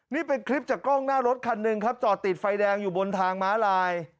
นี่เป็นคลิปจากกล้องหน้ารถคันหนึ่งครับจอดติดไฟแดงอยู่บนทางม้าลาย